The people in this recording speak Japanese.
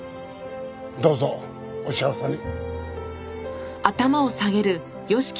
どうぞお幸せに。